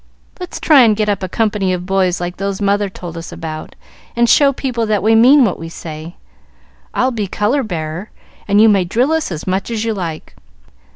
"Let's try and get up a company of boys like those mother told us about, and show people that we mean what we say. I'll be color bearer, and you may drill us as much as you like.